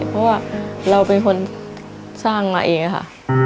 เพราะว่าเราเป็นคนสร้างมาเองค่ะ